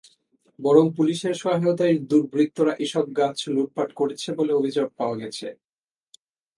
বরং পুলিশের সহায়তায় দুর্বৃত্তরা এসব গাছ লুটপাট করেছে বলে অভিযোগ পাওয়া গেছে।